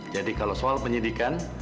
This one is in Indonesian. jadi kalau soal penyidikan